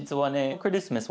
クリスマス